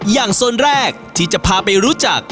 โซนแรกที่จะพาไปรู้จัก